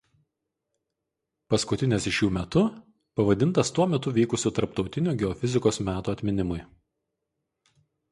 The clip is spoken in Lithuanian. Paskutinės iš jų metu pavadintas tuo metu vykusių Tarptautinių geofizikos metų atminimui.